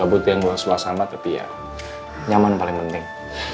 gak butuh yang gue seluas sama tapi ya nyaman paling penting